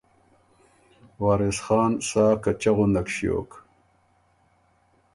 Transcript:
وارث خان سا کچۀ غُندک ݭیوک۔